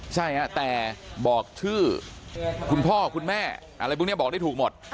ใช่ฮะแต่บอกชื่อคุณพ่อคุณแม่อะไรพวกนี้บอกได้ถูกหมด